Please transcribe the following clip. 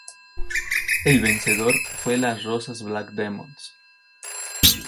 El vencedor fue Las Rozas Black Demons.